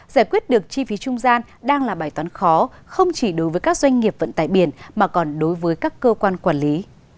giải quyết được chi phí trung gian đang là bài toán khó không chỉ đối với các doanh nghiệp vận tải biển mà còn đối với các cơ quan quản lý